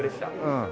うん。